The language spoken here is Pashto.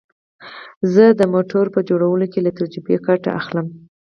زه د موټرو په جوړولو کې له تجربې ګټه اخلم